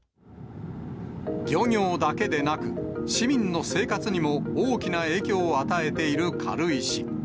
漁業だけでなく、市民の生活にも大きな影響を与えている軽石。